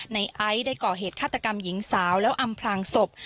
ในไอซ์ได้ก่อเหตุฆาตกรรมหญิงสาวแล้วอำพลางศพ